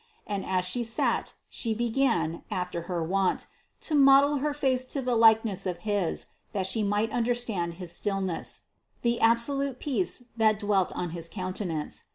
And as she sat, she began, after her wont, to model her face to the likeness of his, that she might understand his stillness the absolute peace that dwelt on his countenance.